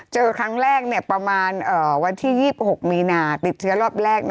เจอครั้งแรกประมาณวันที่๒๖มีนาติดเชื้อรอบแรก